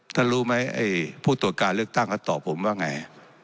ท่านรู้ไหมไอ้ผู้ตรวจการเลือกตั้งเขาตอบผมว่าไง